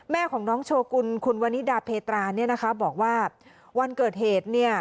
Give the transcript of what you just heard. แม่ของน้องโชกุลคุณวานิดาเพตราบอกว่าวันเกิดเหตุ